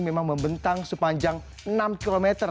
memang membentang sepanjang enam km